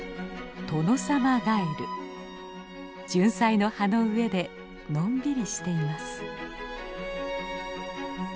ジュンサイの葉の上でのんびりしています。